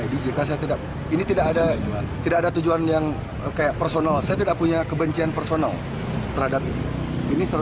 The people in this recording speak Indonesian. ini tidak ada tidak ada tujuan yang kayak personal saya tidak punya kebencian personal terhadap ini